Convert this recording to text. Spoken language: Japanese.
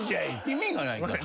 意味がないから。